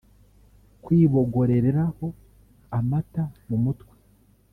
Kwibogoreraho amata mu mutwe